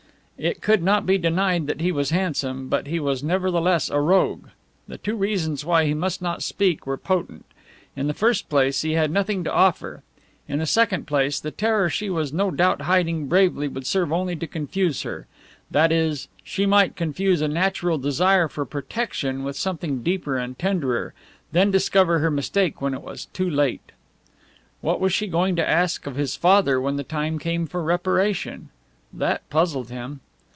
It could not be denied that he was handsome, but he was nevertheless a rogue. The two reasons why he must not speak were potent. In the first place, he had nothing to offer; in the second place, the terror she was no doubt hiding bravely would serve only to confuse her that is, she might confuse a natural desire for protection with something deeper and tenderer, and then discover her mistake when it was too late. What was she going to ask of his father when the time came for reparation? That puzzled him.